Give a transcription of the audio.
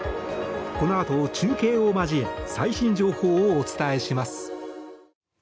このあと、中継を交え最新情報をお伝えします。